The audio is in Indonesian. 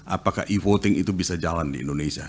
apakah e voting itu bisa jalan di indonesia